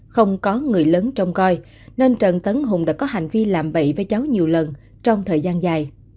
không có người lớn trông coi nên trần tấn hùng đã có hành vi làm bậy với cháu nhiều lần trong thời gian dài